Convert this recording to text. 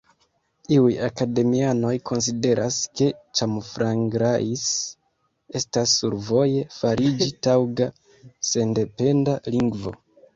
Iuj akademianoj konsideras ke "Camfranglais" estas survoje fariĝi taŭga sendependa lingvo.